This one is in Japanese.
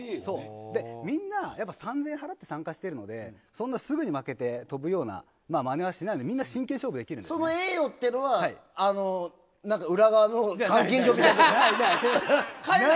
みんな３０００円払って参加しているのですぐに負けて飛ぶような真似はしないのでその栄誉というのは裏側の？